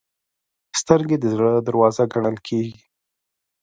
سترګې د زړه دروازه ګڼل کېږي